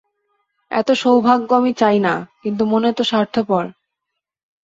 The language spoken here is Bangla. এত সৌভাগ্য আমি চাই না, কিন্তু মনে তো স্বার্থপর।